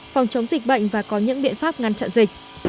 phòng chống dịch bệnh và có những biện pháp ngăn chặn dịch